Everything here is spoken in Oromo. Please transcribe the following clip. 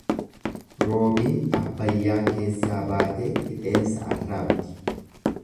Roobiin Abbayyaa keessaa baatee fixeensa arraabdi.